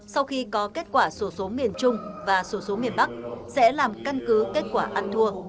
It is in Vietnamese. sau khi có kết quả số số miền trung và số số miền bắc sẽ làm căn cứ kết quả ăn thua